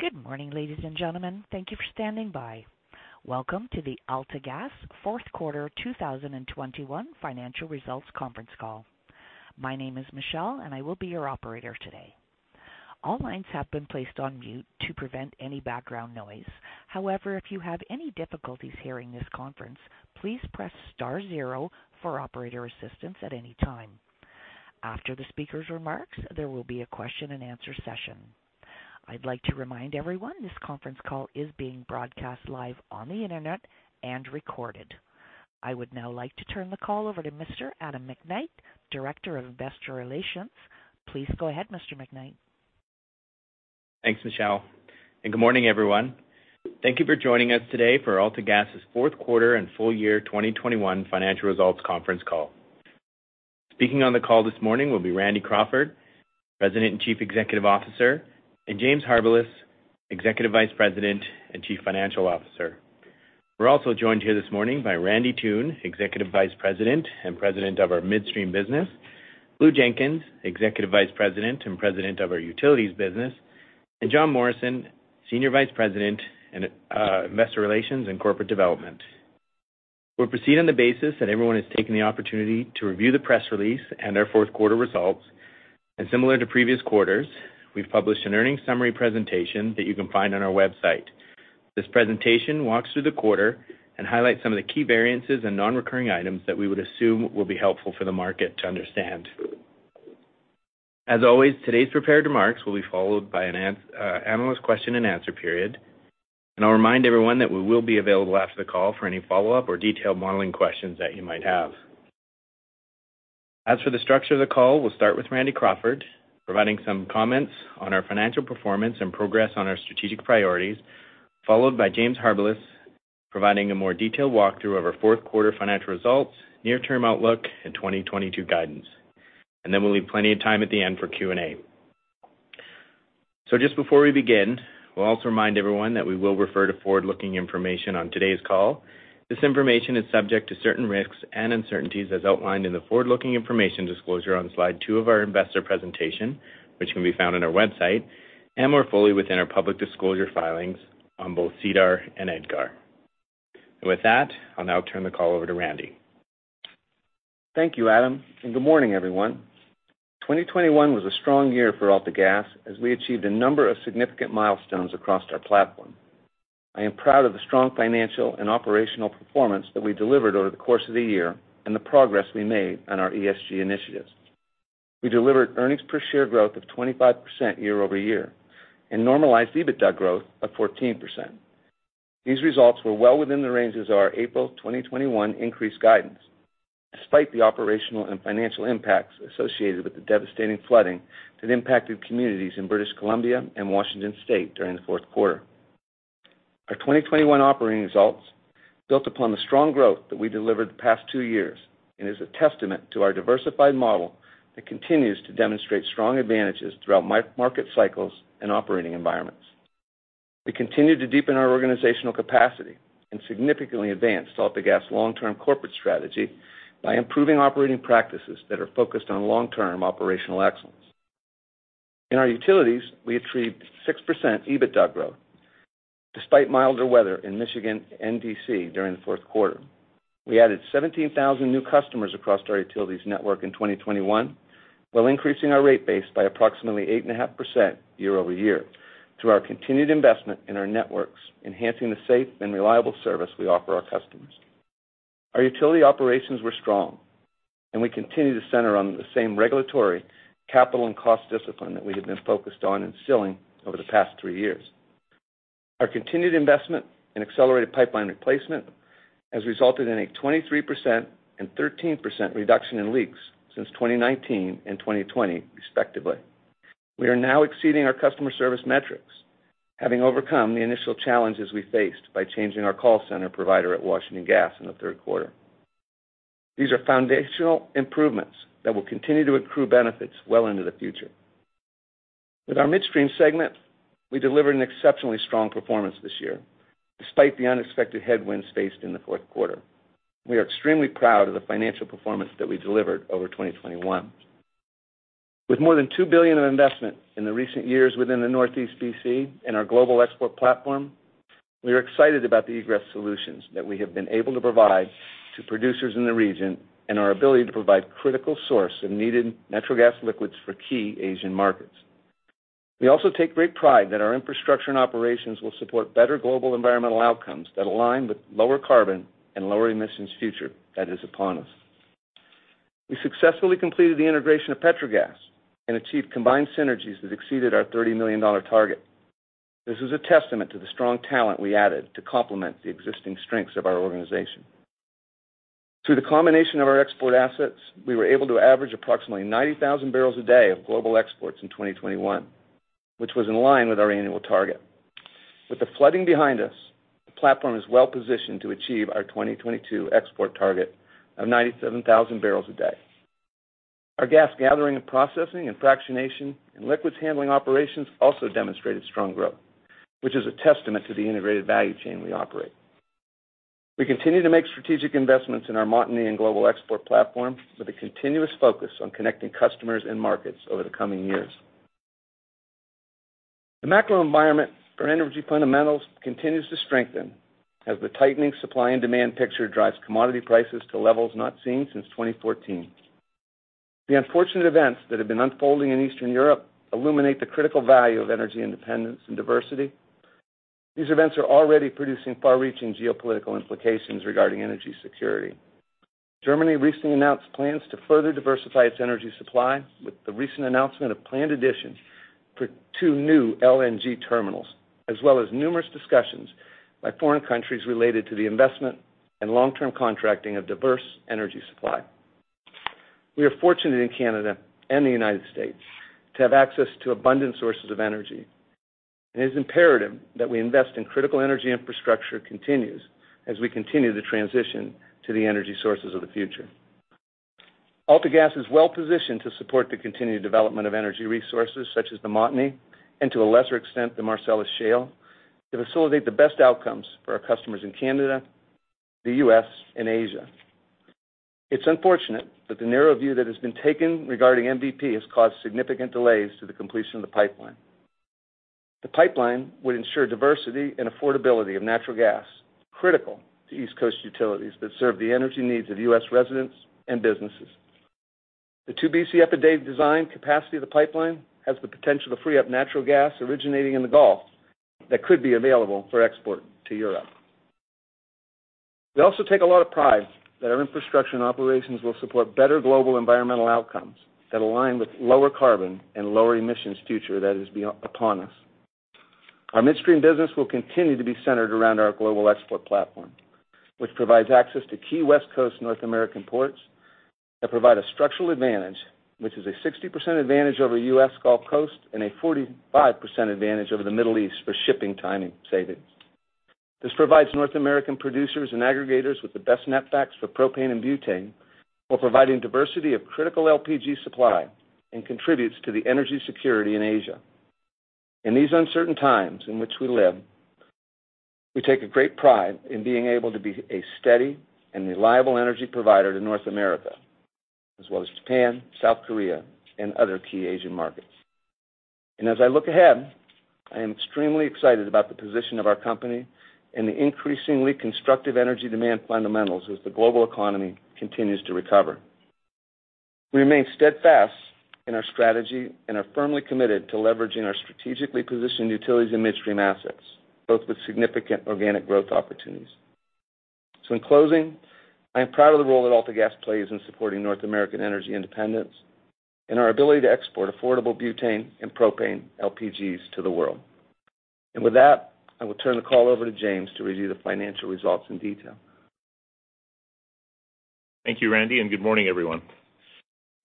Good morning, ladies and gentlemen. Thank you for standing by. Welcome to the AltaGas Q4 2021 financial results conference call. My name is Michelle and I will be your operator today. All lines have been placed on mute to prevent any background noise. However, if you have any difficulties hearing this conference, please press star zero for operator assistance at any time. After the speaker's remarks, there will be a question-and-answer session. I'd like to remind everyone this conference call is being broadcast live on the Internet and recorded. I would now like to turn the call over to Mr. Adam McKnight, Director of Investor Relations. Please go ahead, Mr. McKnight. Thanks, Michelle, and good morning, everyone. Thank you for joining us today for AltaGas's Q4 and full year 2021 financial results conference call. Speaking on the call this morning will be Randy Crawford, President and Chief Executive Officer, and James Harbilas, Executive Vice President and Chief Financial Officer. We're also joined here this morning by Randy Toone, Executive Vice President and President of our Midstream business, Blue Jenkins, Executive Vice President and President of our Utilities business, and Jon Morrison, Senior Vice President and Investor Relations and Corporate Development. We'll proceed on the basis that everyone has taken the opportunity to review the press release and our Q4 results. Similar to previous quarters, we've published an earnings summary presentation that you can find on our website. This presentation walks through the quarter and highlights some of the key variances and non-recurring items that we would assume will be helpful for the market to understand. As always, today's prepared remarks will be followed by an analyst question-and-answer period, and I'll remind everyone that we will be available after the call for any follow-up or detailed modeling questions that you might have. As for the structure of the call, we'll start with Randy Crawford providing some comments on our financial performance and progress on our strategic priorities, followed by James Harbilas providing a more detailed walkthrough of our Q4 financial results, near-term outlook, and 2022 guidance. We'll leave plenty of time at the end for Q&A. Just before we begin, we'll also remind everyone that we will refer to forward-looking information on today's call. This information is subject to certain risks and uncertainties as outlined in the forward-looking information disclosure on slide two of our investor presentation, which can be found on our website, and more fully within our public disclosure filings on both SEDAR and EDGAR. With that, I'll now turn the call over to Randy. Thank you, Adam, and good morning, everyone. 2021 was a strong year for AltaGas as we achieved a number of significant milestones across our platform. I am proud of the strong financial and operational performance that we delivered over the course of the year and the progress we made on our ESG initiatives. We delivered earnings per share growth of 25% year-over-year and normalized EBITDA growth of 14%. These results were well within the ranges of our April 2021 increased guidance, despite the operational and financial impacts associated with the devastating flooding that impacted communities in British Columbia and Washington State during the Q4. Our 2021 operating results built upon the strong growth that we delivered the past two years and is a testament to our diversified model that continues to demonstrate strong advantages throughout market cycles and operating environments. We continued to deepen our organizational capacity and significantly advanced AltaGas long-term corporate strategy by improving operating practices that are focused on long-term operational excellence. In our Utilities, we achieved 6% EBITDA growth despite milder weather in Michigan and D.C. during the Q4. We added 17,000 new customers across our Utilities network in 2021, while increasing our rate base by approximately 8.5% year-over-year through our continued investment in our networks, enhancing the safe and reliable service we offer our customers. Our Utility operations were strong, and we continue to center on the same regulatory capital and cost discipline that we have been focused on instilling over the past three years. Our continued investment in accelerated pipeline replacement has resulted in a 23% and 13% reduction in leaks since 2019 and 2020 respectively. We are now exceeding our customer service metrics, having overcome the initial challenges we faced by changing our call center provider at Washington Gas in the Q3. These are foundational improvements that will continue to accrue benefits well into the future. With our Midstream segment, we delivered an exceptionally strong performance this year despite the unexpected headwinds faced in the Q4. We are extremely proud of the financial performance that we delivered over 2021. With more than 2 billion of investment in the recent years within the Northeast B.C. and our global export platform, we are excited about the egress solutions that we have been able to provide to producers in the region and our ability to provide critical source and needed natural gas liquids for key Asian markets. We also take great pride that our infrastructure and operations will support better global environmental outcomes that align with lower carbon and lower emissions future that is upon us. We successfully completed the integration of Petrogas and achieved combined synergies that exceeded our 30 million dollar target. This is a testament to the strong talent we added to complement the existing strengths of our organization. Through the combination of our export assets, we were able to average approximately 90,000 barrels a day of global exports in 2021, which was in line with our annual target. With the flooding behind us, the platform is well-positioned to achieve our 2022 export target of 97,000 barrels a day. Our gas gathering and processing and fractionation and liquids handling operations also demonstrated strong growth, which is a testament to the integrated value chain we operate. We continue to make strategic investments in our Montney and global export platform with a continuous focus on connecting customers and markets over the coming years. The macro environment for energy fundamentals continues to strengthen as the tightening supply and demand picture drives commodity prices to levels not seen since 2014. The unfortunate events that have been unfolding in Eastern Europe illuminate the critical value of energy independence and diversity. These events are already producing far-reaching geopolitical implications regarding energy security. Germany recently announced plans to further diversify its energy supply with the recent announcement of planned additions for two new LNG terminals, as well as numerous discussions by foreign countries related to the investment and long-term contracting of diverse energy supply. We are fortunate in Canada and the United States to have access to abundant sources of energy, and it is imperative that we invest in critical energy infrastructure as we continue to transition to the energy sources of the future. AltaGas is well-positioned to support the continued development of energy resources such as the Montney, and to a lesser extent, the Marcellus Shale, to facilitate the best outcomes for our customers in Canada, the U.S., and Asia. It's unfortunate that the narrow view that has been taken regarding MVP has caused significant delays to the completion of the pipeline. The pipeline would ensure diversity and affordability of natural gas, critical to East Coast utilities that serve the energy needs of U.S. residents and businesses. The 2 Bcf per day design capacity of the pipeline has the potential to free up natural gas originating in the Gulf that could be available for export to Europe. We also take a lot of pride that our infrastructure and operations will support better global environmental outcomes that align with lower carbon and lower emissions future that is being upon us. Our midstream business will continue to be centered around our global export platform, which provides access to key West Coast North American ports that provide a structural advantage, which is a 60% advantage over U.S. Gulf Coast and a 45% advantage over the Middle East for shipping timing savings. This provides North American producers and aggregators with the best netbacks for propane and butane while providing diversity of critical LPG supply and contributes to the energy security in Asia. In these uncertain times in which we live, we take a great pride in being able to be a steady and reliable energy provider to North America, as well as Japan, South Korea, and other key Asian markets. As I look ahead, I am extremely excited about the position of our company and the increasingly constructive energy demand fundamentals as the global economy continues to recover. We remain steadfast in our strategy and are firmly committed to leveraging our strategically positioned Utilities and Midstream assets, both with significant organic growth opportunities. In closing, I am proud of the role that AltaGas plays in supporting North American energy independence and our ability to export affordable butane and propane LPGs to the world. With that, I will turn the call over to James to review the financial results in detail. Thank you, Randy, and good morning, everyone.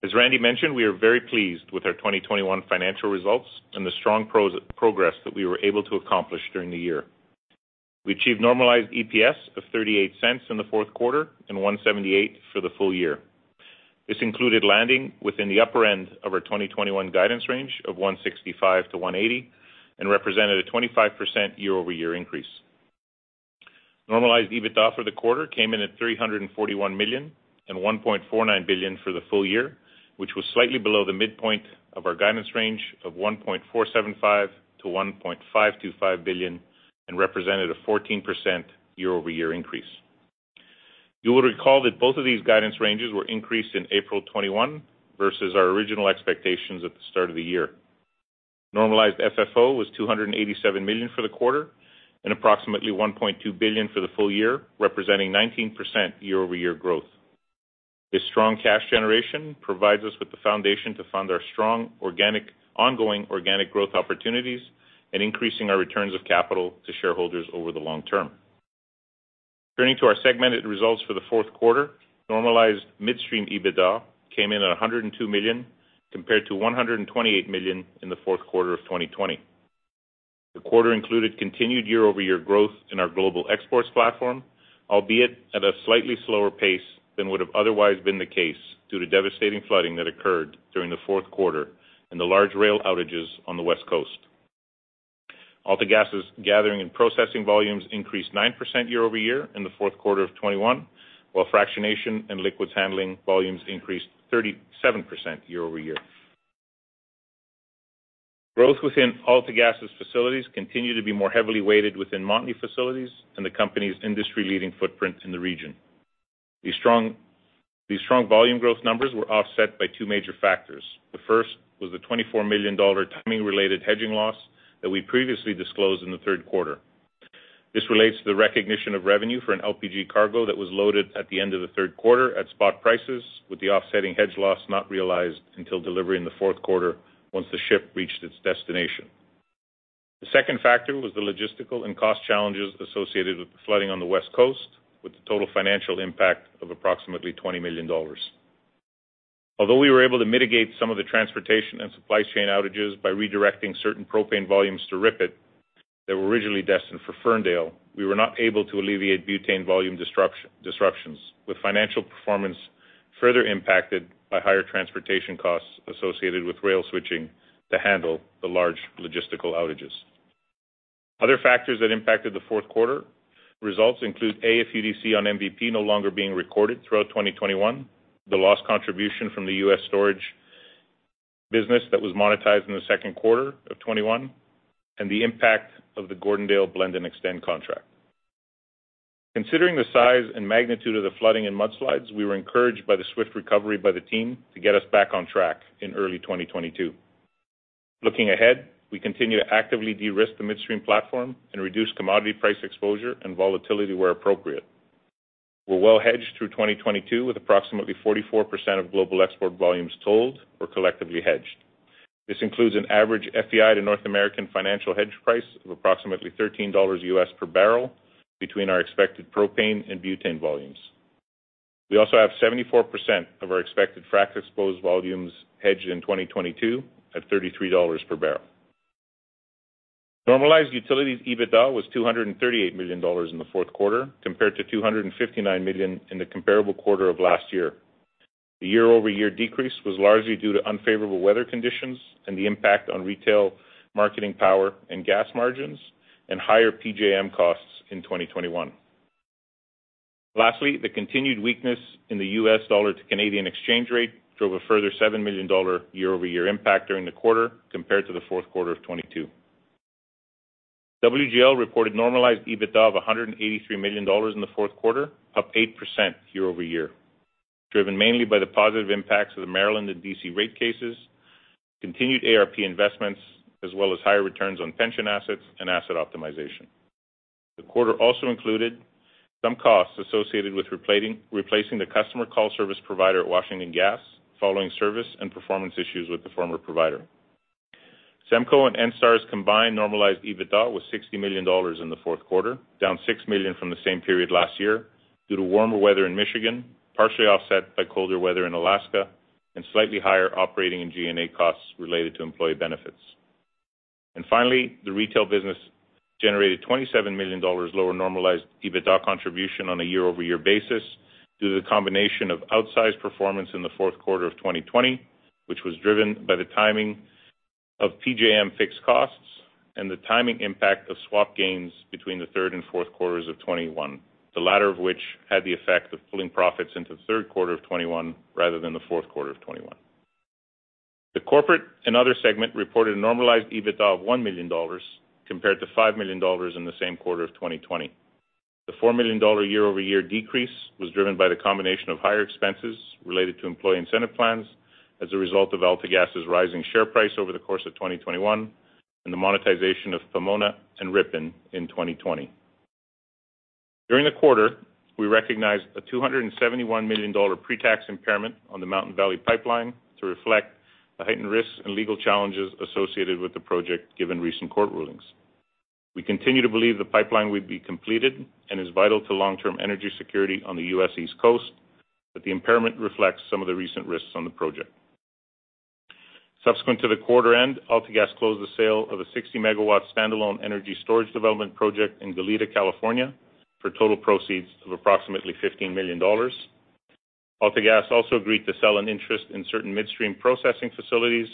As Randy mentioned, we are very pleased with our 2021 financial results and the strong progress that we were able to accomplish during the year. We achieved normalized EPS of 0.38 in the Q4 and 1.78 for the full year. This included landing within the upper end of our 2021 guidance range of 1.65-1.80 and represented a 25% year-over-year increase. Normalized EBITDA for the quarter came in at CAD 341 million and CAD 1.49 billion for the full year, which was slightly below the midpoint of our guidance range of CAD 1.475-CAD 1.525 billion and represented a 14% year-over-year increase. You will recall that both of these guidance ranges were increased in April 2021 versus our original expectations at the start of the year. Normalized FFO was 287 million for the quarter and approximately 1.2 billion for the full year, representing 19% year-over-year growth. This strong cash generation provides us with the foundation to fund our strong ongoing organic growth opportunities and increasing our returns of capital to shareholders over the long term. Turning to our segment results for the Q4, normalized midstream EBITDA came in at 102 million, compared to 128 million in the Q4 of 2020. The quarter included continued year-over-year growth in our global exports platform, albeit at a slightly slower pace than would've otherwise been the case due to devastating flooding that occurred during the Q4 and the large rail outages on the West Coast. AltaGas' gathering and processing volumes increased 9% year-over-year in the Q4 of 2021, while fractionation and liquids handling volumes increased 37% year-over-year. Growth within AltaGas' facilities continue to be more heavily weighted within Montney facilities and the company's industry-leading footprint in the region. These strong volume growth numbers were offset by two major factors. The first was the 24 million dollar timing-related hedging loss that we previously disclosed in the Q3. This relates to the recognition of revenue for an LPG cargo that was loaded at the end of the Q3 at spot prices with the offsetting hedge loss not realized until delivery in the Q4 once the ship reached its destination. The second factor was the logistical and cost challenges associated with the flooding on the West Coast, with the total financial impact of approximately 20 million dollars. Although we were able to mitigate some of the transportation and supply chain outages by redirecting certain propane volumes to RIPET that were originally destined for Ferndale, we were not able to alleviate butane volume disruptions, with financial performance further impacted by higher transportation costs associated with rail switching to handle the large logistical outages. Other factors that impacted the Q4 results include AFUDC on MVP no longer being recorded throughout 2021, the loss contribution from the U.S. storage business that was monetized in the Q2 of 2021, and the impact of the Gordondale blend and extend contract. Considering the size and magnitude of the flooding and mudslides, we were encouraged by the swift recovery by the team to get us back on track in early 2022. Looking ahead, we continue to actively de-risk the midstream platform and reduce commodity price exposure and volatility where appropriate. We're well hedged through 2022 with approximately 44% of global export volumes tolled or contractually hedged. This includes an average FEI to North American financial hedge price of approximately $13 U.S. per barrel between our expected propane and butane volumes. We also have 74% of our expected frac-exposed volumes hedged in 2022 at $33 per barrel. Normalized Utilities EBITDA was 238 million dollars in the Q4 compared to 259 million in the comparable quarter of last year. The year-over-year decrease was largely due to unfavorable weather conditions and the impact on retail marketing power and gas margins and higher PJM costs in 2021. The continued weakness in the U.S. dollar to Canadian exchange rate drove a further 7 million dollar year-over-year impact during the quarter compared to the Q4 of 2020. WGL reported normalized EBITDA of $183 million in the Q4, up 8% year-over-year, driven mainly by the positive impacts of the Maryland and D.C. rate cases, continued ARP investments, as well as higher returns on pension assets and asset optimization. The quarter also included some costs associated with replacing the customer call service provider at Washington Gas, following service and performance issues with the former provider. SEMCO and ENSTAR's combined normalized EBITDA was $60 million in the Q4, down $6 million from the same period last year due to warmer weather in Michigan, partially offset by colder weather in Alaska and slightly higher operating and G&A costs related to employee benefits. Finally, the retail business generated 27 million dollars lower normalized EBITDA contribution on a year-over-year basis due to the combination of outsized performance in the Q4 of 2020, which was driven by the timing of PJM fixed costs and the timing impact of swap gains between the Q3 and Q4 of 2021, the latter of which had the effect of pulling profits into the Q3 of 2021 rather than the Q4 of 2021. The corporate and other segment reported a normalized EBITDA of 1 million dollars compared to 5 million dollars in the same quarter of 2020. The 4 million dollar year-over-year decrease was driven by the combination of higher expenses related to employee incentive plans as a result of AltaGas's rising share price over the course of 2021 and the monetization of Pomona and Ripon in 2020. During the quarter, we recognized a 271 million dollar pre-tax impairment on the Mountain Valley Pipeline to reflect the heightened risks and legal challenges associated with the project, given recent court rulings. We continue to believe the pipeline will be completed and is vital to long-term energy security on the U.S. East Coast, but the impairment reflects some of the recent risks on the project. Subsequent to the quarter end, AltaGas closed the sale of a 60-MW standalone energy storage development project in Goleta, California, for total proceeds of approximately 15 million dollars. AltaGas also agreed to sell an interest in certain midstream processing facilities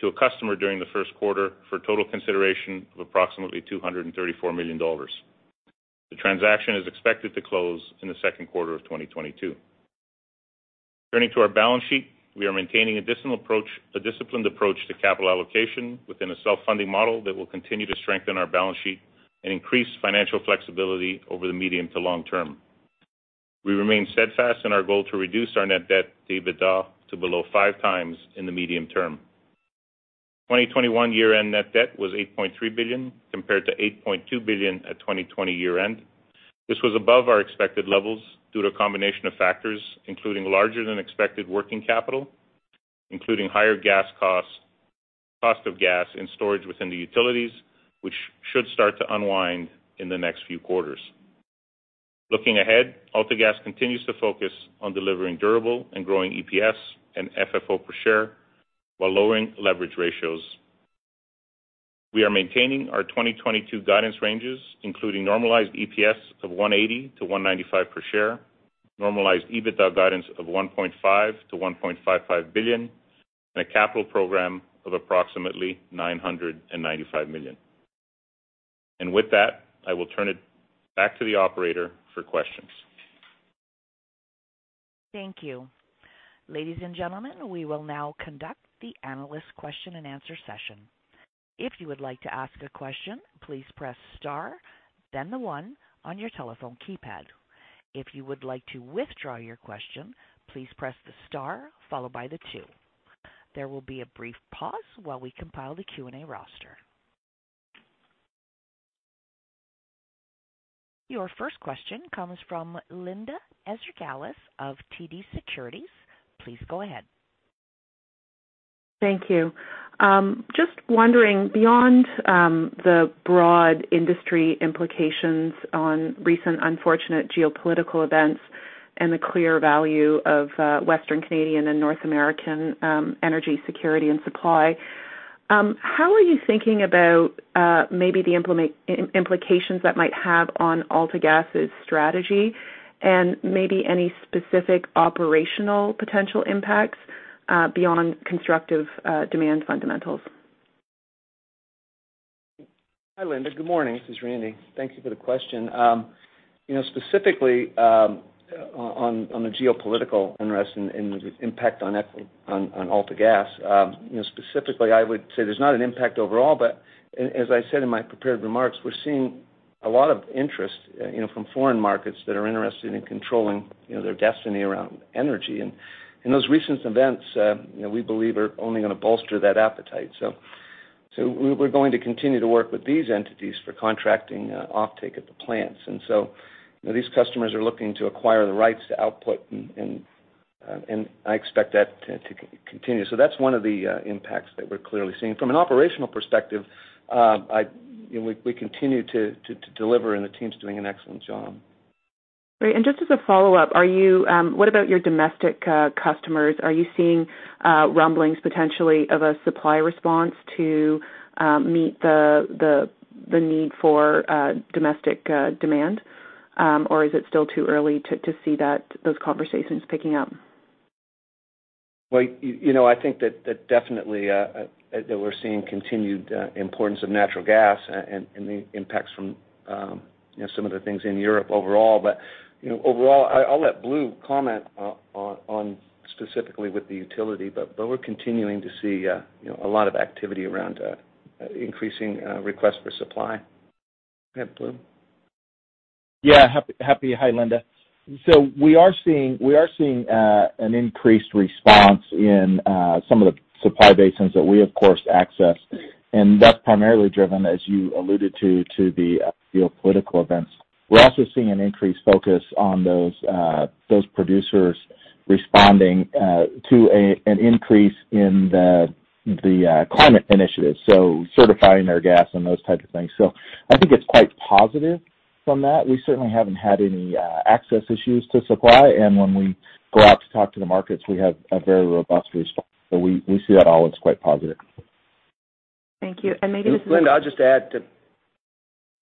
to a customer during the Q1 for total consideration of approximately 234 million dollars. The transaction is expected to close in the Q2 of 2022. Turning to our balance sheet, we are maintaining a disciplined approach to capital allocation within a self-funding model that will continue to strengthen our balance sheet and increase financial flexibility over the medium to long term. We remain steadfast in our goal to reduce our net debt to EBITDA to below 5x in the medium term. 2021 year-end net debt was 8.3 billion, compared to 8.2 billion at 2020 year-end. This was above our expected levels due to a combination of factors, including larger than expected working capital, higher gas costs, cost of gas and storage within the Utilities, which should start to unwind in the next few quarters. Looking ahead, AltaGas continues to focus on delivering durable and growing EPS and FFO per share while lowering leverage ratios. We are maintaining our 2022 guidance ranges, including normalized EPS of 1.80-1.95 per share, normalized EBITDA guidance of 1.5 billion-1.55 billion, and a capital program of approximately 995 million. With that, I will turn it back to the operator for questions. Thank you. Ladies and gentlemen, we will now conduct the analyst question and answer session. If you would like to ask a question, please press star then one on your telephone keypad. If you would like to withdraw your question, please press the star followed by two. There will be a brief pause while we compile the Q&A roster. Your first question comes from Linda Ezergailis of TD Securities. Please go ahead. Thank you. Just wondering, beyond the broad industry implications on recent unfortunate geopolitical events and the clear value of Western Canadian and North American energy security and supply How are you thinking about maybe the implications that might have on AltaGas's strategy and maybe any specific operational potential impacts beyond constructive demand fundamentals? Hi, Linda. Good morning. This is Randy. Thank you for the question. You know, specifically, on the geopolitical unrest and the impact on AltaGas, you know, specifically, I would say there's not an impact overall, but as I said in my prepared remarks, we're seeing a lot of interest, you know, from foreign markets that are interested in controlling, you know, their destiny around energy. Those recent events, you know, we believe are only gonna bolster that appetite. So we're going to continue to work with these entities for contracting, offtake at the plants. You know, these customers are looking to acquire the rights to output and I expect that to continue. So that's one of the impacts that we're clearly seeing. From an operational perspective, you know, we continue to deliver and the team's doing an excellent job. Great. Just as a follow-up, are you what about your domestic customers? Are you seeing rumblings potentially of a supply response to meet the need for domestic demand? Or is it still too early to see that those conversations picking up? Well, you know, I think that definitely we're seeing continued importance of natural gas and the impacts from, you know, some of the things in Europe overall. You know, overall I'll let Blue comment on specifically with the utility, but we're continuing to see, you know, a lot of activity around increasing request for supply. Yeah, Blue? Yeah, Hi, Linda. We are seeing an increased response in some of the supply basins that we, of course, access. That's primarily driven, as you alluded to the geopolitical events. We're also seeing an increased focus on those producers responding to an increase in the climate initiative, so certifying their gas and those type of things. I think it's quite positive from that. We certainly haven't had any access issues to supply. When we go out to talk to the markets, we have a very robust response. We see that all as quite positive. Thank you. Linda, I'll just add.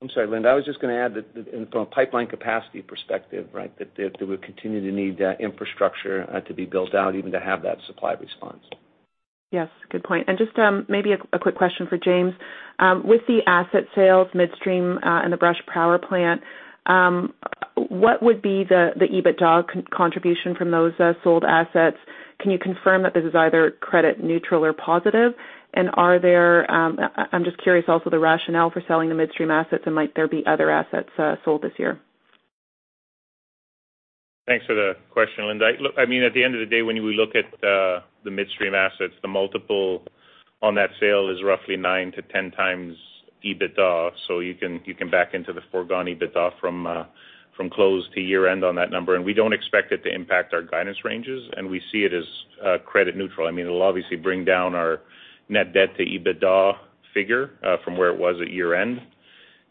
I'm sorry, Linda. I was just gonna add that from a pipeline capacity perspective, right, that we continue to need infrastructure to be built out even to have that supply response. Yes, good point. Just maybe a quick question for James. With the midstream asset sales and the Brush Power Plant, what would be the EBITDA contribution from those sold assets? Can you confirm that this is either credit neutral or positive? I'm just curious also the rationale for selling the midstream assets and might there be other assets sold this year? Thanks for the question, Linda. Look, I mean, at the end of the day, when we look at the midstream assets, the multiple on that sale is roughly 9-10x EBITDA, so you can back into the foregone EBITDA from close to year-end on that number. We don't expect it to impact our guidance ranges, and we see it as credit neutral. I mean, it'll obviously bring down our net debt to EBITDA figure from where it was at year-end,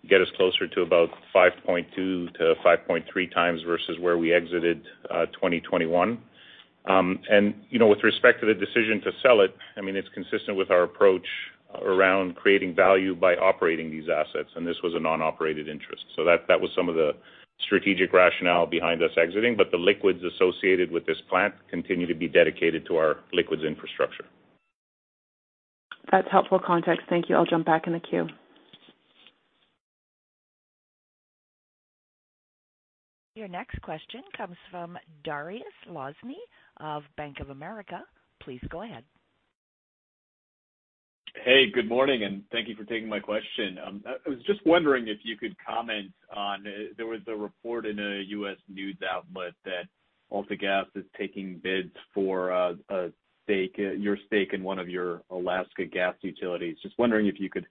get us closer to about 5.2-5.3x versus where we exited 2021. You know, with respect to the decision to sell it, I mean, it's consistent with our approach around creating value by operating these assets, and this was a non-operated interest. That was some of the strategic rationale behind us exiting. The liquids associated with this plant continue to be dedicated to our liquids infrastructure. That's helpful context. Thank you. I'll jump back in the queue. Your next question comes from Dariusz Lozny of Bank of America. Please go ahead. Hey, good morning, and thank you for taking my question. I was just wondering if you could comment on, there was a report in a U.S. news outlet that AltaGas is taking bids for, a stake, your stake in one of your Alaska Gas Utilities. Just wondering if you could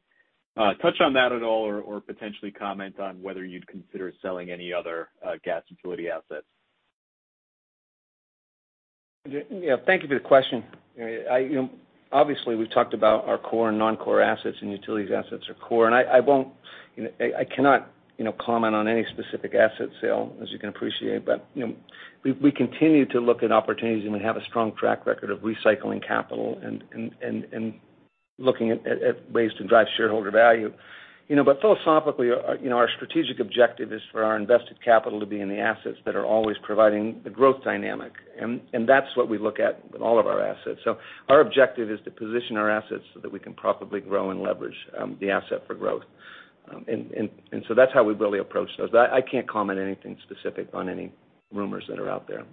touch on that at all or potentially comment on whether you'd consider selling any other gas utility assets? Yeah. Thank you for the question. You know, obviously, we've talked about our core and non-core assets and Utilities assets are core. I won't, you know, comment on any specific asset sale, as you can appreciate. You know, we continue to look at opportunities and we have a strong track record of recycling capital and looking at ways to drive shareholder value. You know, philosophically, you know, our strategic objective is for our invested capital to be in the assets that are always providing a growth dynamic. That's what we look at with all of our assets. Our objective is to position our assets so that we can profitably grow and leverage the asset for growth. That's how we really approach those. I can't comment anything specific on any rumors that are out there.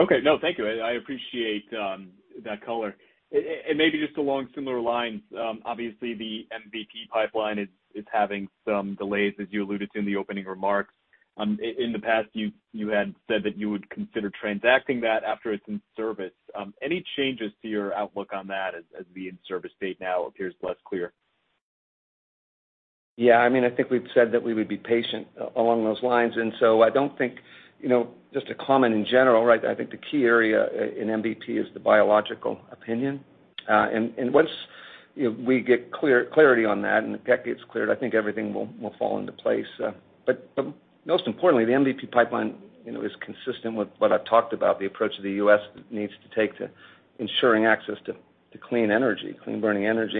Okay. No, thank you. I appreciate that color. Maybe just along similar lines, obviously the MVP pipeline is having some delays, as you alluded to in the opening remarks. In the past, you had said that you would consider transacting that after it's in service. Any changes to your outlook on that as the in-service date now appears less clear? Yeah, I mean, I think we've said that we would be patient along those lines. I don't think, you know, just to comment in general, right, I think the key area in MVP is the biological opinion. Once, you know, we get clarity on that and the FERC gets cleared, I think everything will fall into place. Most importantly, the MVP pipeline, you know, is consistent with what I've talked about the approach the U.S. needs to take to ensuring access to clean energy, clean burning energy.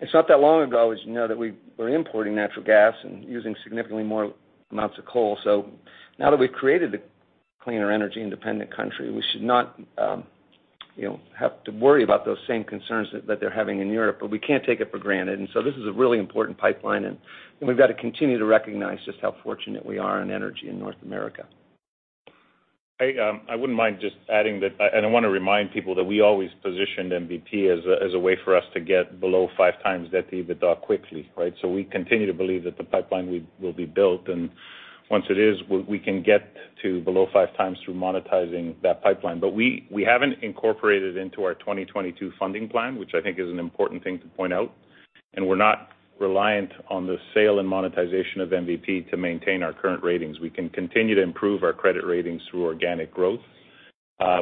It's not that long ago, as you know, that we were importing natural gas and using significantly more amounts of coal. Now that we've created a cleaner energy independent country, we should not, you know, have to worry about those same concerns that they're having in Europe, but we can't take it for granted. This is a really important pipeline, and we've got to continue to recognize just how fortunate we are in energy in North America. I wouldn't mind just adding that. I wanna remind people that we always positioned MVP as a way for us to get below 5x that EBITDA quickly, right? We continue to believe that the pipeline will be built. Once it is, we can get to below 5x through monetizing that pipeline. We haven't incorporated into our 2022 funding plan, which I think is an important thing to point out. We're not reliant on the sale and monetization of MVP to maintain our current ratings. We can continue to improve our credit ratings through organic growth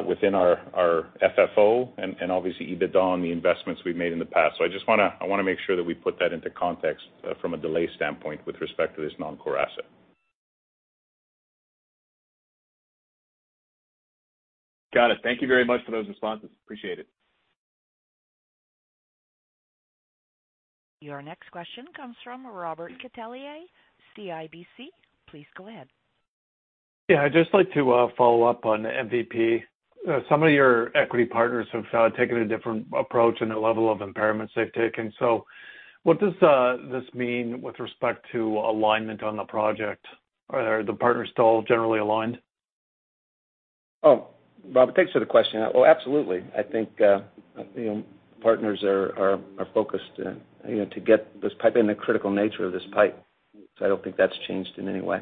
within our FFO and obviously, EBITDA on the investments we've made in the past. I just wanna make sure that we put that into context, from a delay standpoint with respect to this non-core asset. Got it. Thank you very much for those responses. Appreciate it. Your next question comes from Robert Catellier, CIBC. Please go ahead. Yeah. I'd just like to follow up on MVP. Some of your equity partners have taken a different approach in the level of impairments they've taken. What does this mean with respect to alignment on the project? Are the partners still generally aligned? Oh, Rob, thanks for the question. Well, absolutely. I think, you know, partners are focused, you know, to get this pipe and the critical nature of this pipe. I don't think that's changed in any way.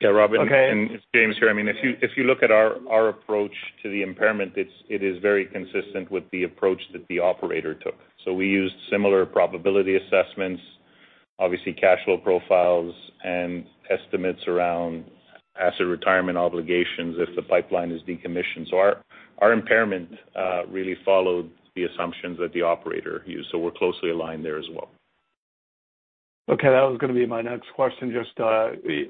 Yeah, Robert. Okay. It's James here. I mean, if you look at our approach to the impairment, it is very consistent with the approach that the operator took. We used similar probability assessments, obviously cash flow profiles and estimates around asset retirement obligations if the pipeline is decommissioned. Our impairment really followed the assumptions that the operator used, so we're closely aligned there as well. Okay. That was gonna be my next question, just,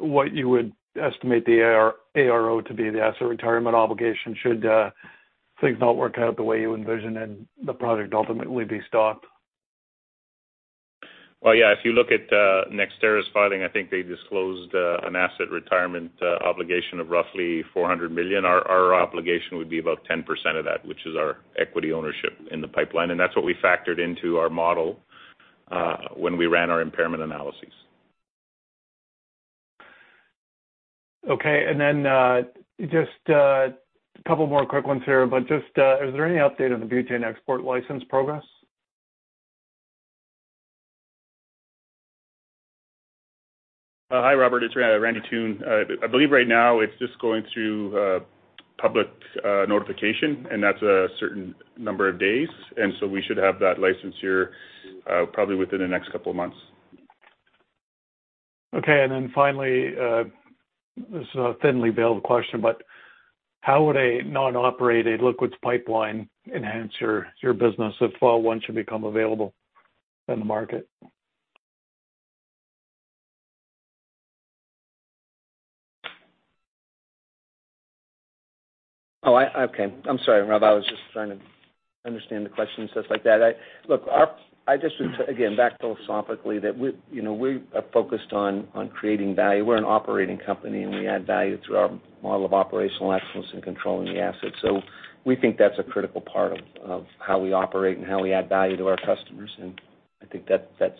what you would estimate the ARO to be, the asset retirement obligation should things not work out the way you envision and the project ultimately be stopped? Well, yeah, if you look at NextEra's filing, I think they disclosed an asset retirement obligation of roughly $400 million. Our obligation would be about 10% of that, which is our equity ownership in the pipeline. That's what we factored into our model when we ran our impairment analysis. Okay. Just a couple more quick ones here. Just is there any update on the butane export license progress? Hi, Robert, it's Randy Toone. I believe right now it's just going through public notification, and that's a certain number of days. We should have that license here probably within the next couple of months. Okay. Finally, this is a thinly veiled question, but how would a non-operated liquids pipeline enhance your business if one should become available in the market? Okay. I'm sorry, Rob, I was just trying to understand the question and stuff like that. Look, I just want to, again, back philosophically that we, you know, we are focused on creating value. We're an operating company, and we add value through our model of operational excellence in controlling the asset. We think that's a critical part of how we operate and how we add value to our customers. I think that's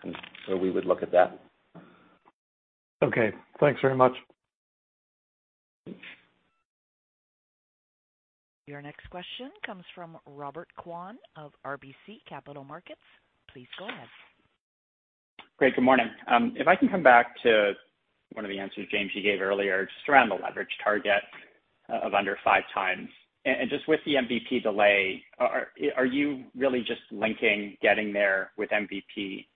kind of where we would look at that. Okay. Thanks very much. Your next question comes from Robert Kwan of RBC Capital Markets. Please go ahead. Great. Good morning. If I can come back to one of the answers, James, you gave earlier just around the leverage target of under five times. And just with the MVP delay, are you really just linking getting there with MVP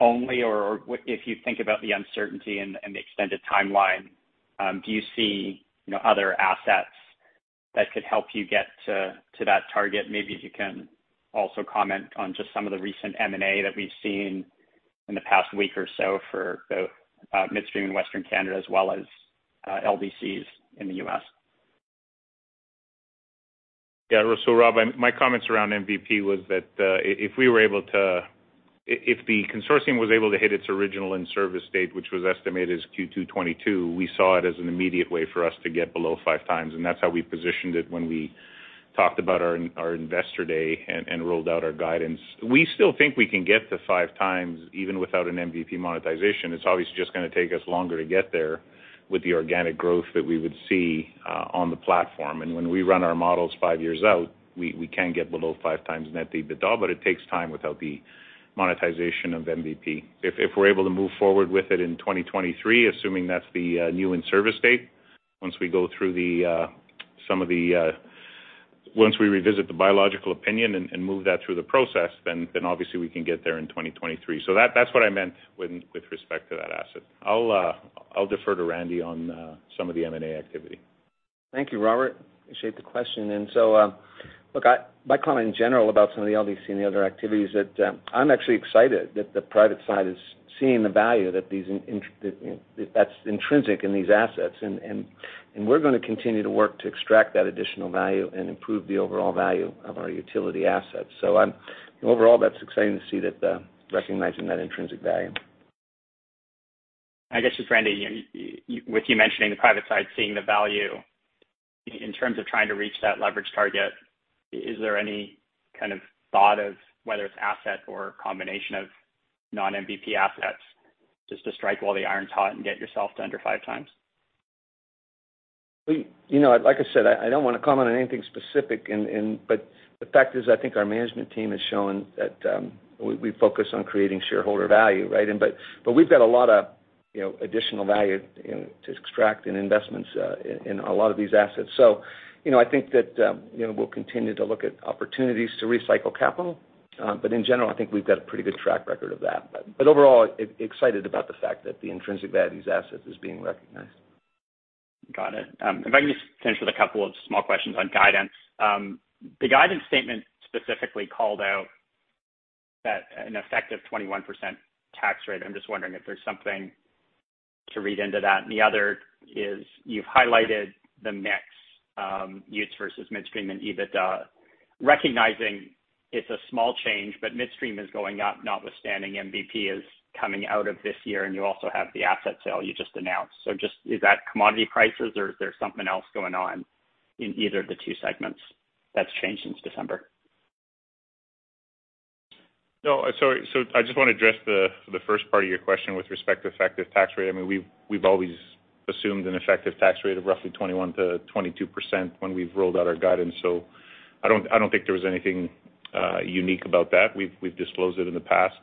only? Or if you think about the uncertainty and the extended timeline, do you see, you know, other assets that could help you get to that target? Maybe if you can also comment on just some of the recent M&A that we've seen in the past week or so for both midstream in Western Canada as well as LDCs in the U.S. Yeah. Rob, my comments around MVP were that if the consortium was able to hit its original in-service date, which was estimated as Q2 2022, we saw it as an immediate way for us to get below 5x, and that's how we positioned it when we talked about our investor day and rolled out our guidance. We still think we can get to 5x even without an MVP monetization. It's obviously just gonna take us longer to get there with the organic growth that we would see on the platform. When we run our models five years out, we can get below 5x net debt to EBITDA, but it takes time without the monetization of MVP. If we're able to move forward with it in 2023, assuming that's the new in-service date, once we revisit the biological opinion and move that through the process, obviously we can get there in 2023. That's what I meant with respect to that asset. I'll defer to Randy on some of the M&A activity. Thank you, Robert. I appreciate the question. Look, my comment in general about some of the LDC and the other activities that I'm actually excited that the private side is seeing the value that these that, you know, that's intrinsic in these assets. We're gonna continue to work to extract that additional value and improve the overall value of our utility assets. Overall, that's exciting to see that they're recognizing that intrinsic value. I guess just, Randy, you know, you with you mentioning the private side seeing the value in terms of trying to reach that leverage target, is there any kind of thought of whether it's asset or combination of non-MVP assets just to strike while the iron's hot and get yourself to under 5x? You know, like I said, I don't wanna comment on anything specific. The fact is, I think our management team has shown that we focus on creating shareholder value, right? We've got a lot of, you know, additional value, you know, to extract in investments in a lot of these assets. You know, I think that, you know, we'll continue to look at opportunities to recycle capital. In general, I think we've got a pretty good track record of that. Overall, excited about the fact that the intrinsic value of these assets is being recognized. Got it. If I can just finish with a couple of small questions on guidance. The guidance statement specifically called out that an effective 21% tax rate. I'm just wondering if there's something to read into that. The other is you've highlighted the mix, Utilities versus Midstream and EBITDA, recognizing it's a small change, but Midstream is going up, notwithstanding MVP is coming out of this year, and you also have the asset sale you just announced. Just is that commodity prices or is there something else going on in either of the two segments that's changed since December? No. I just wanna address the first part of your question with respect to effective tax rate. I mean, we've always assumed an effective tax rate of roughly 21%-22% when we've rolled out our guidance. I don't think there was anything unique about that. We've disclosed it in the past.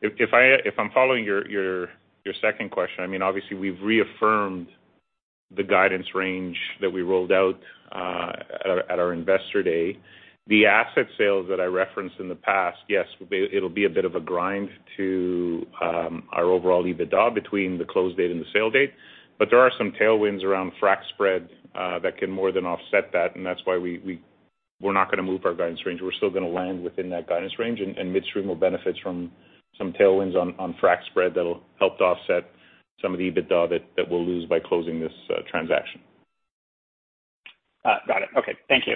If I'm following your second question, I mean, obviously we've reaffirmed the guidance range that we rolled out at our Investor Day. The asset sales that I referenced in the past, yes, it'll be a bit of a grind to our overall EBITDA between the close date and the sale date. There are some tailwinds around frac spread that can more than offset that and that's why we're not gonna move our guidance range. We're still gonna land within that guidance range and Midstream will benefit from some tailwinds on frac spread that'll help to offset some of the EBITDA that we'll lose by closing this transaction. Got it. Okay. Thank you.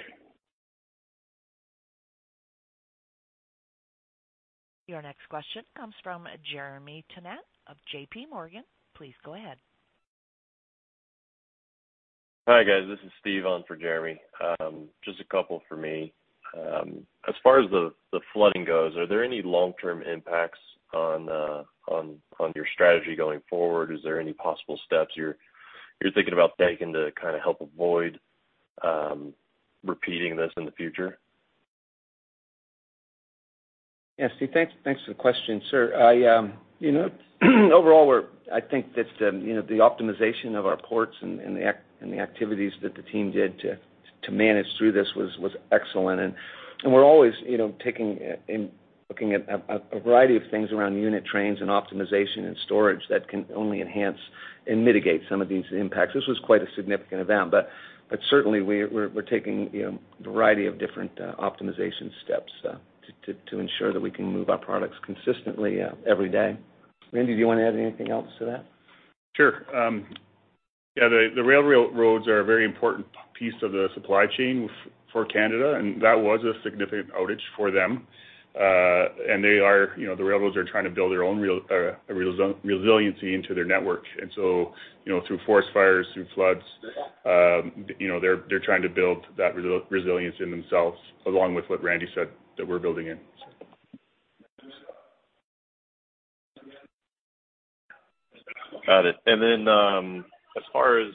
Your next question comes from Jeremy Tonet of J.P. Morgan. Please go ahead. Hi, guys. This is Steve on for Jeremy. Just a couple for me. As far as the flooding goes, are there any long-term impacts on your strategy going forward? Is there any possible steps you're thinking about taking to kinda help avoid repeating this in the future? Yeah, Steve, thanks for the question, sir. I think that the optimization of our ports and the activities that the team did to manage through this was excellent. We're always looking at a variety of things around unit trains and optimization and storage that can only enhance and mitigate some of these impacts. This was quite a significant event. Certainly we're taking a variety of different optimization steps to ensure that we can move our products consistently every day. Randy, do you wanna add anything else to that? Sure. The railroads are a very important piece of the supply chain for Canada, and that was a significant outage for them. They are, you know, the railroads are trying to build their own resilience into their network. You know, through forest fires, through floods, you know, they're trying to build that resilience in themselves, along with what Randy said that we're building in. Got it. As far as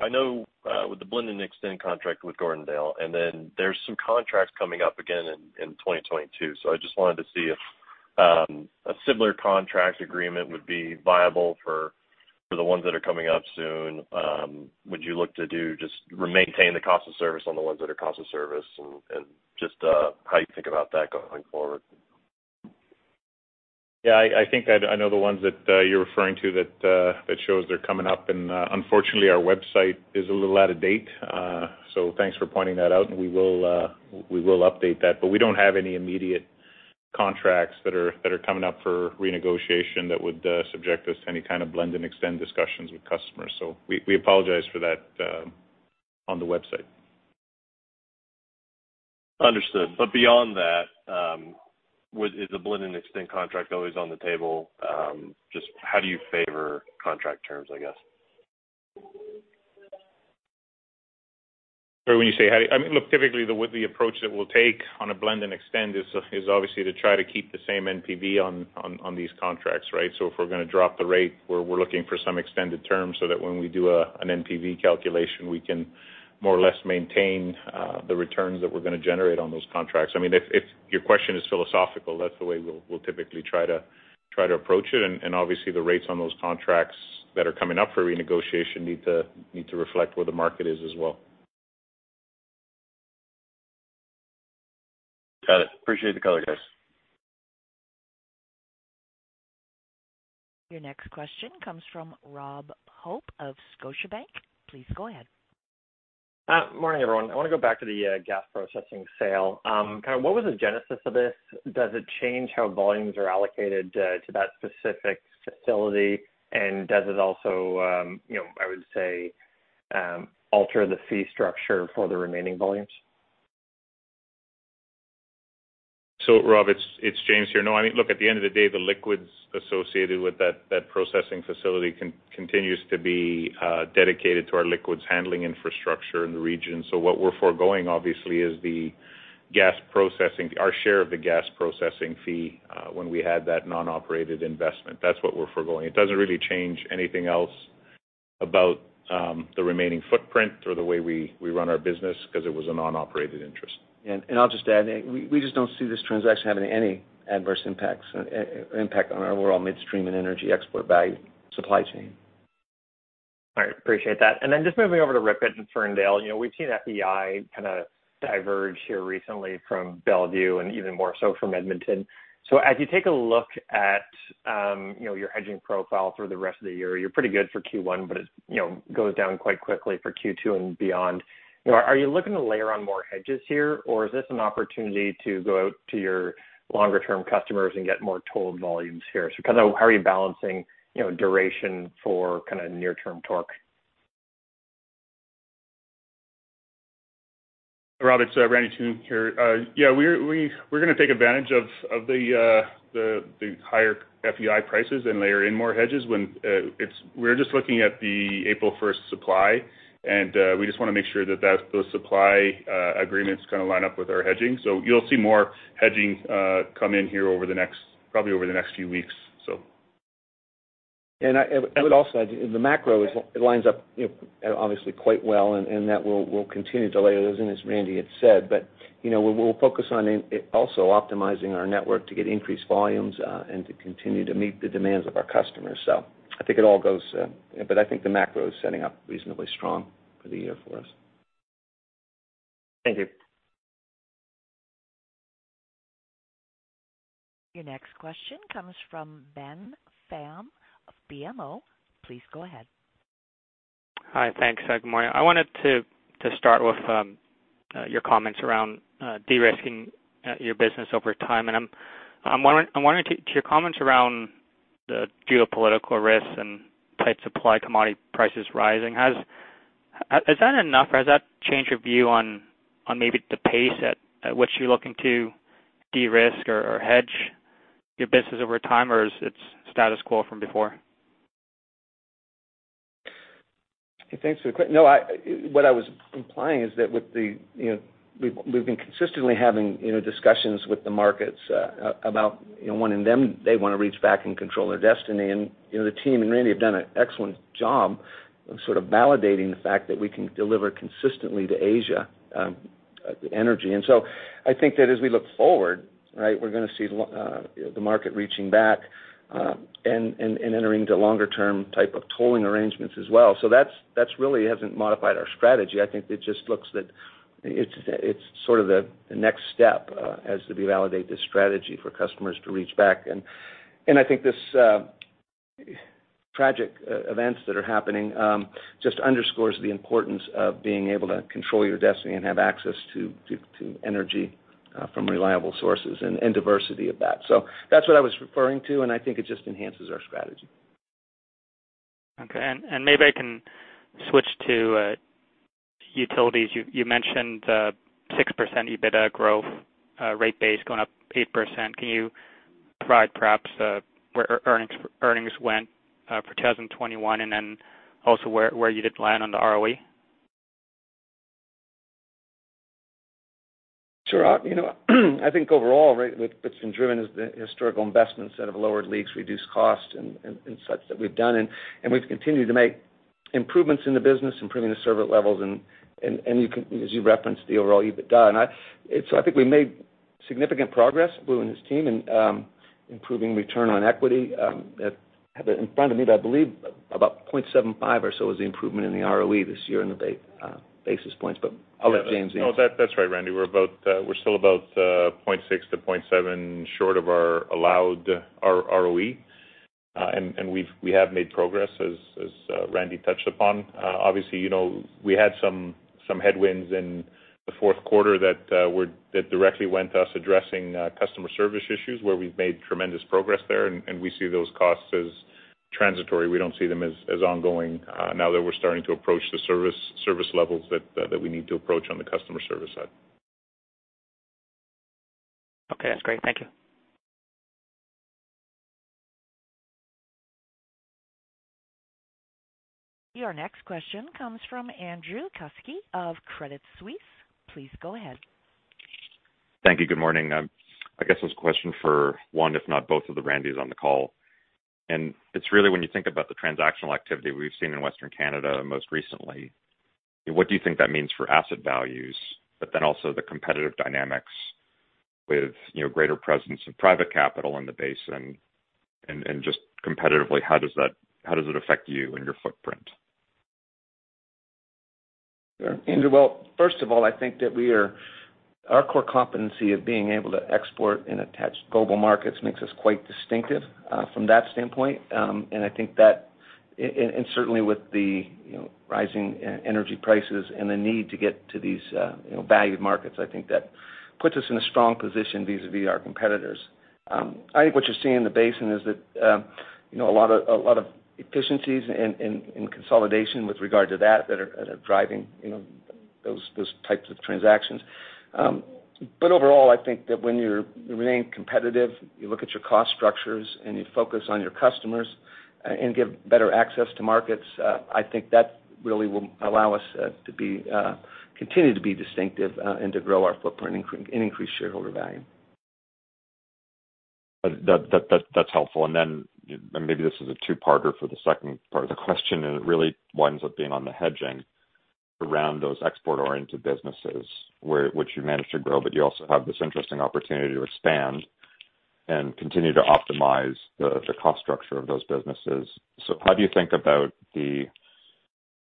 I know with the blend and extend contract with Gordondale, and then there's some contracts coming up again in 2022. I just wanted to see if a similar contract agreement would be viable for the ones that are coming up soon. Would you look to do just maintain the cost of service on the ones that are cost of service? Just how you think about that going forward. I think I know the ones that you're referring to that shows they're coming up. Unfortunately, our website is a little out of date. Thanks for pointing that out and we will update that. We don't have any immediate contracts that are coming up for renegotiation that would subject us to any kind of blend and extend discussions with customers. We apologize for that on the website. Understood. Beyond that, is the blend and extend contract always on the table? Just how do you favor contract terms, I guess? When you say how do you I mean, look, typically, the approach that we'll take on a blend and extend is obviously to try to keep the same NPV on these contracts, right? If we're gonna drop the rate, we're looking for some extended terms so that when we do an NPV calculation, we can more or less maintain the returns that we're gonna generate on those contracts. I mean, if your question is philosophical, that's the way we'll typically try to approach it. Obviously the rates on those contracts that are coming up for renegotiation need to reflect where the market is as well. Got it. Appreciate the color, guys. Your next question comes from Rob Hope of Scotiabank. Please go ahead. Morning, everyone. I wanna go back to the gas processing sale. Kind of what was the genesis of this? Does it change how volumes are allocated to that specific facility? Does it also, you know, I would say, alter the fee structure for the remaining volumes? Rob, it's James here. No, I mean, look, at the end of the day, the liquids associated with that processing facility continues to be dedicated to our liquids handling infrastructure in the region. What we're foregoing obviously is the gas processing, our share of the gas processing fee, when we had that non-operated investment. That's what we're foregoing. It doesn't really change anything else about the remaining footprint or the way we run our business 'cause it was a non-operated interest. I'll just add, we just don't see this transaction having any adverse impact on our overall midstream and energy export value supply chain. All right. Appreciate that. Just moving over to Ripon and Ferndale, you know, we've seen FEI kinda diverge here recently from Mont Belvieu and even more so from Edmonton. As you take a look at, you know, your hedging profile through the rest of the year, you're pretty good for Q1, but it, you know, goes down quite quickly for Q2 and beyond. You know, are you looking to layer on more hedges here, or is this an opportunity to go out to your longer term customers and get more total volumes here? Kind of how are you balancing, you know, duration for kinda near-term torque? Rob, it's Randy Toone here. Yeah, we're gonna take advantage of the higher FEI prices and layer in more hedges when we're just looking at the April first supply, and we just wanna make sure that those supply agreements kinda line up with our hedging. You'll see more hedging come in here probably over the next few weeks, so. I would also add, the macro, it lines up, you know, obviously quite well and that we'll continue to layer those in, as Randy had said. You know, we'll focus on also optimizing our network to get increased volumes and to continue to meet the demands of our customers. I think it all goes, but I think the macro is setting up reasonably strong for the year for us. Thank you. Your next question comes from Ben Pham of BMO. Please go ahead. Hi, thanks. Good morning. I wanted to start with your comments around de-risking your business over time. I'm wondering to your comments around the geopolitical risks and tight supply commodity prices rising. Is that enough or has that changed your view on maybe the pace at which you're looking to de-risk or hedge your business over time, or is it status quo from before? What I was implying is that with the, you know, we've been consistently having, you know, discussions with the markets about, you know, wanting them, they wanna reach back and control their destiny. You know, the team and Randy have done an excellent job of sort of validating the fact that we can deliver consistently to Asia, the energy. I think that as we look forward, right, we're gonna see the market reaching back and entering into longer term type of tolling arrangements as well. That's really hasn't modified our strategy. I think it just looks that it's sort of the next step as we validate this strategy for customers to reach back. I think this tragic events that are happening just underscores the importance of being able to control your destiny and have access to energy from reliable sources and diversity of that. That's what I was referring to, and I think it just enhances our strategy. Okay. Maybe I can switch to Utilities. You mentioned 6% EBITDA growth, rate base going up 8%. Can you provide perhaps where earnings went for 2021, and then also where you did land on the ROE? Sure. You know, I think overall, right, what's been driven is the historical investments that have lowered leaks, reduced costs and such that we've done. We've continued to make improvements in the business, improving the service levels. You can, as you referenced, the overall EBITDA. I think we made significant progress, Lou and his team in improving return on equity. I have it in front of me, but I believe about 75 or so was the improvement in the ROE this year in basis points. I'll let James- No, that's right, Randy. We're still about 0.6%-0.7% short of our allowed ROE. We have made progress, as Randy touched upon. Obviously, you know, we had some headwinds in the Q4 that directly went to us addressing customer service issues where we've made tremendous progress there and we see those costs as transitory. We don't see them as ongoing now that we're starting to approach the service levels that we need to approach on the customer service side. Okay, that's great. Thank you. Your next question comes from Andrew Kuske of Credit Suisse. Please go ahead. Thank you. Good morning. I guess this question for one, if not both of the Randys on the call, and it's really when you think about the transactional activity we've seen in Western Canada most recently, what do you think that means for asset values, but then also the competitive dynamics with, you know, greater presence of private capital in the basin and just competitively, how does it affect you and your footprint? Sure. Andrew, well, first of all, I think that our core competency of being able to export and attach global markets makes us quite distinctive from that standpoint. I think, and certainly with the, you know, rising energy prices and the need to get to these, you know, valued markets, I think that puts us in a strong position vis-à-vis our competitors. I think what you're seeing in the basin is that, you know, a lot of efficiencies and consolidation with regard to that are driving, you know, those types of transactions. Overall I think that when you remain competitive, you look at your cost structures, and you focus on your customers and give better access to markets, I think that really will allow us to continue to be distinctive, and to grow our footprint and increase shareholder value. That's helpful. Maybe this is a two-parter for the second part of the question, and it really winds up being on the hedging around those export-oriented businesses which you managed to grow, but you also have this interesting opportunity to expand and continue to optimize the cost structure of those businesses. How do you think about the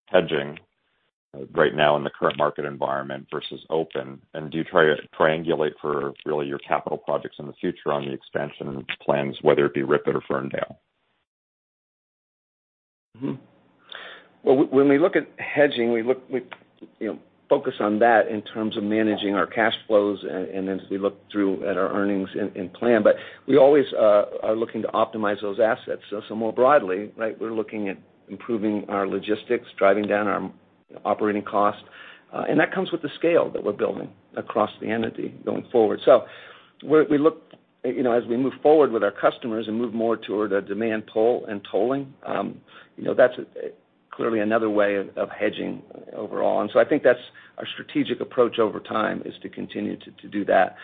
hedging right now in the current market environment versus open? Do you try to triangulate for really your capital projects in the future on the expansion plans, whether it be RIPET or Ferndale? Well, when we look at hedging, we, you know, focus on that in terms of managing our cash flows and as we look through at our earnings and plan. We always are looking to optimize those assets. More broadly, right, we're looking at improving our logistics, driving down our operating costs, and that comes with the scale that we're building across the entity going forward. We look, you know, as we move forward with our customers and move more toward a demand pull and tolling, you know, that's clearly another way of hedging overall. I think that's our strategic approach over time is to continue to do that,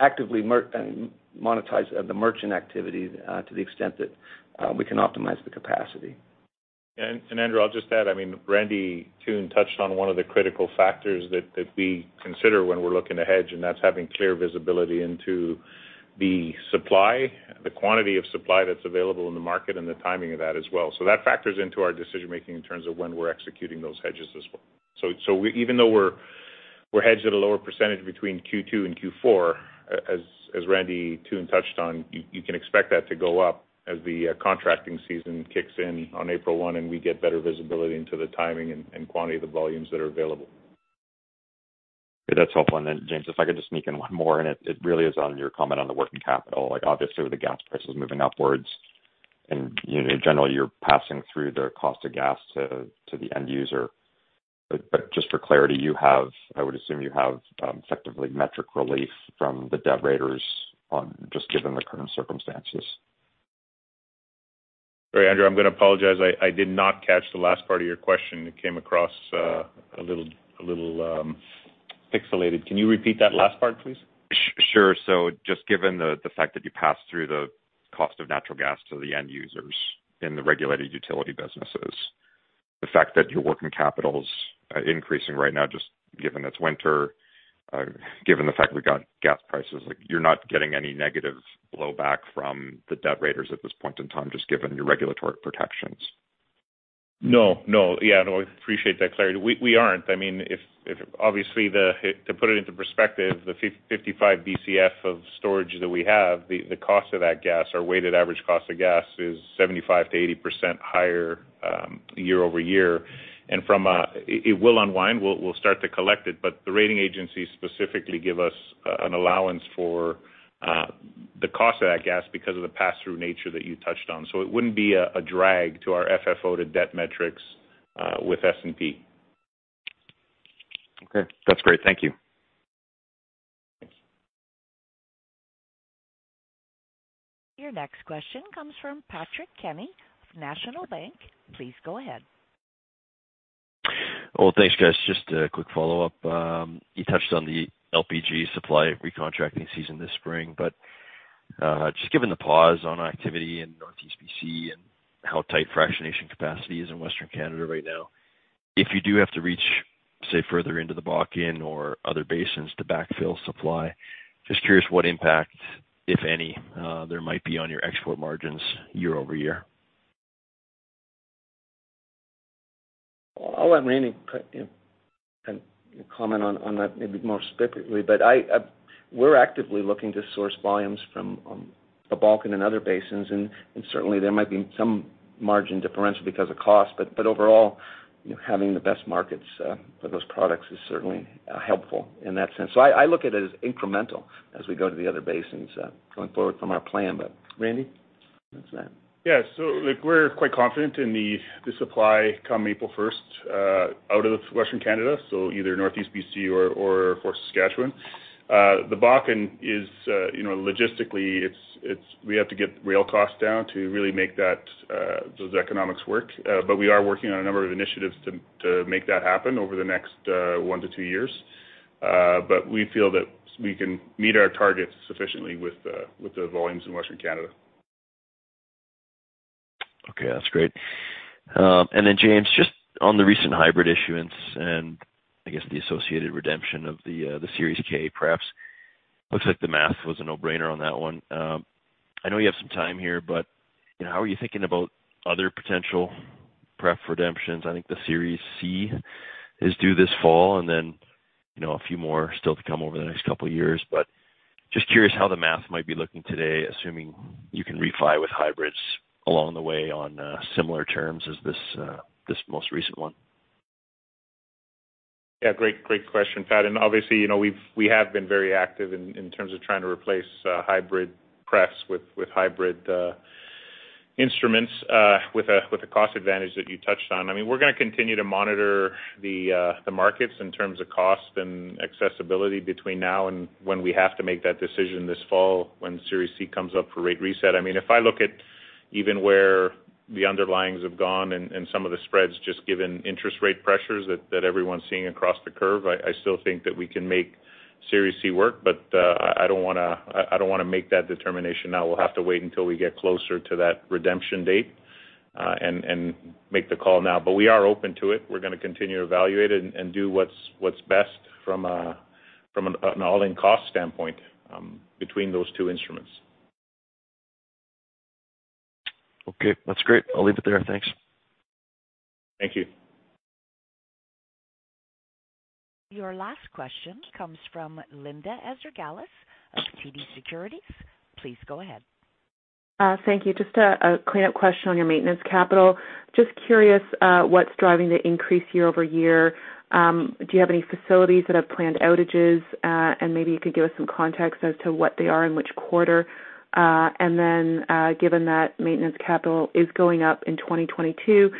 actively monetize the merchant activity to the extent that we can optimize the capacity. Andrew, I'll just add, I mean, Randy too touched on one of the critical factors that we consider when we're looking to hedge, and that's having clear visibility into the supply, the quantity of supply that's available in the market and the timing of that as well. That factors into our decision-making in terms of when we're executing those hedges as well. Even though we're hedged at a lower percentage between Q2 and Q4, as Randy too touched on, you can expect that to go up as the contracting season kicks in on April 1 and we get better visibility into the timing and quantity of the volumes that are available. Okay, that's helpful. Then James, if I could just sneak in one more, it really is on your comment on the working capital. Like obviously with the gas prices moving upwards and, you know, in general you're passing through the cost of gas to the end user. But just for clarity, you have, I would assume, effectively metric relief from the debt raters given just the current circumstances. Sorry, Andrew, I'm gonna apologize. I did not catch the last part of your question. It came across a little pixelated. Can you repeat that last part, please? Sure. Just given the fact that you pass through the cost of natural gas to the end users in the regulated utility businesses, the fact that your working capital is increasing right now, just given it's winter, given the fact we got gas prices, like you're not getting any negative blowback from the debt raters at this point in time, just given your regulatory protections. No, no. Yeah, no, I appreciate that clarity. We aren't. I mean, if obviously to put it into perspective, the 55 BCF of storage that we have, the cost of that gas, our weighted average cost of gas is 75%-80% higher year-over-year. It will unwind, we'll start to collect it, but the rating agencies specifically give us an allowance for the cost of that gas because of the pass-through nature that you touched on. It wouldn't be a drag to our FFO to debt metrics with S&P. Okay, that's great. Thank you. Thank you. Your next question comes from Patrick Kenny with National Bank. Please go ahead. Well, thanks guys. Just a quick follow-up. You touched on the LPG supply recontracting season this spring, but just given the pause on activity in Northeast BC and how tight fractionation capacity is in Western Canada right now, if you do have to reach, say, further into the Bakken or other basins to backfill supply, just curious what impact, if any, there might be on your export margins year over year. I'll let Randy, you know, kind of comment on that maybe more specifically. We're actively looking to source volumes from the Bakken and other basins. Certainly there might be some margin differential because of cost, but overall, you know, having the best markets for those products is certainly helpful in that sense. I look at it as incremental as we go to the other basins, going forward from our plan. Randy, what's that? Yeah. Look, we're quite confident in the supply come April first out of Western Canada, so either Northeast B.C. or of course, Saskatchewan. The Bakken is, you know, logistically it's we have to get rail costs down to really make those economics work. We are working on a number of initiatives to make that happen over the next 1-2 years. We feel that we can meet our targets sufficiently with the volumes in Western Canada. Okay, that's great. James, just on the recent hybrid issuance and I guess the associated redemption of the Series K perhaps. Looks like the math was a no-brainer on that one. I know you have some time here, but you know, how are you thinking about other potential pref redemptions? I think the Series C is due this fall and then you know, a few more still to come over the next couple of years. Just curious how the math might be looking today, assuming you can refi with hybrids along the way on similar terms as this most recent one. Yeah, great question, Pat. Obviously, you know, we have been very active in terms of trying to replace hybrid pref with hybrid instruments with a cost advantage that you touched on. I mean, we're gonna continue to monitor the markets in terms of cost and accessibility between now and when we have to make that decision this fall when Series C comes up for rate reset. I mean, if I look at even where the underlyings have gone and some of the spreads just given interest rate pressures that everyone's seeing across the curve, I still think that we can make Series C work. I don't wanna make that determination now. We'll have to wait until we get closer to that redemption date and make the call now. We are open to it. We're gonna continue to evaluate it and do what's best from an all-in cost standpoint between those two instruments. Okay. That's great. I'll leave it there. Thanks. Thank you. Your last question comes from Linda Ezergailis of TD Securities. Please go ahead. Thank you. Just a cleanup question on your maintenance capital. Just curious, what's driving the increase year-over-year. Do you have any facilities that have planned outages? And maybe you could give us some context as to what they are in which quarter. And then, given that maintenance capital is going up in 2022,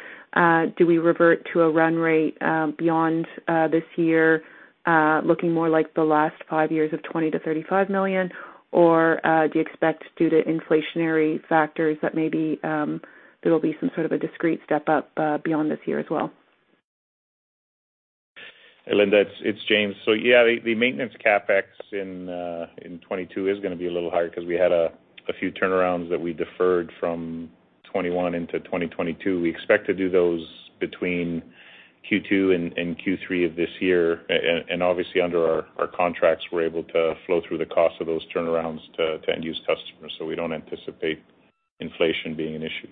do we revert to a run rate beyond this year, looking more like the last five years of 20 million-35 million? Or, do you expect due to inflationary factors that maybe there will be some sort of a discrete step up beyond this year as well? Hey, Linda, it's James. Yeah, the maintenance CapEx in 2022 is gonna be a little higher because we had a few turnarounds that we deferred from 2021 into 2022. We expect to do those between Q2 and Q3 of this year. Obviously under our contracts, we're able to flow through the cost of those turnarounds to end use customers, so we don't anticipate inflation being an issue.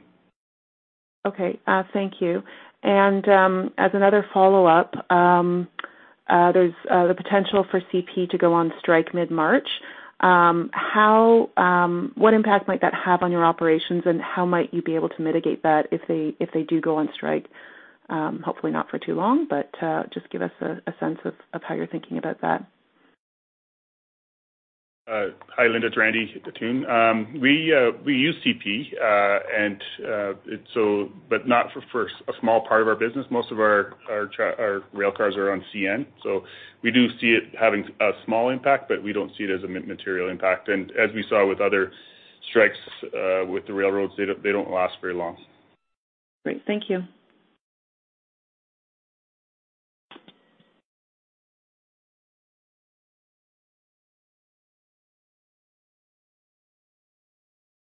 Okay. Thank you. As another follow-up, there's the potential for CP to go on strike mid-March. What impact might that have on your operations, and how might you be able to mitigate that if they do go on strike? Hopefully not for too long, but just give us a sense of how you're thinking about that. Hi, Linda. It's Randy Toone. We use CP but not for a small part of our business. Most of our rail cars are on CN. We do see it having a small impact, but we don't see it as a material impact. As we saw with other strikes with the railroads, they don't last very long. Great. Thank you.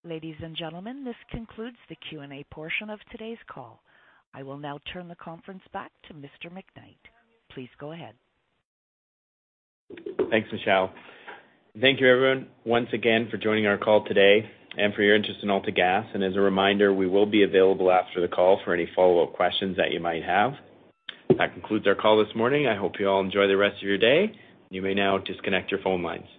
Ladies and gentlemen, this concludes the Q&A portion of today's call. I will now turn the conference back to Mr. McKnight. Please go ahead. Thanks, Michelle. Thank you, everyone, once again for joining our call today and for your interest in AltaGas. As a reminder, we will be available after the call for any follow-up questions that you might have. That concludes our call this morning. I hope you all enjoy the rest of your day. You may now disconnect your phone lines.